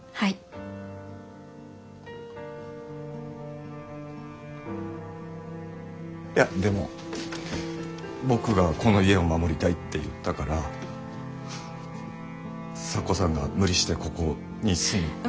いやでも僕がこの家を守りたいって言ったから咲子さんが無理してここに住む。